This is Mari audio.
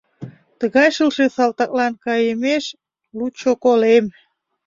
Тугай шылше салтаклан кайымеш, лучо колем.